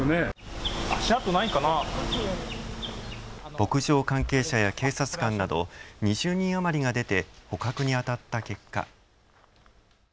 牧場関係者や警察官など２０人余りが出て捕獲にあたった結果。